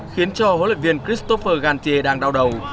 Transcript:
khiến cho hỗ lực viên christopher gantier đang đau đầu